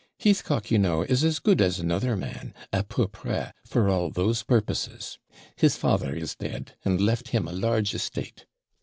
Heathcock, you know, is as good as another man, A PEU PRES, for all those purposes; his father is dead, and left him a large estate.